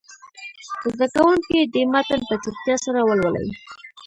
زده کوونکي دې متن په چوپتیا سره ولولي.